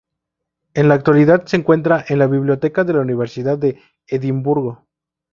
En la actualidad se encuentra en la Biblioteca de la Universidad de Edimburgo.